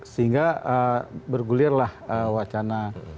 sehingga bergulirlah wacana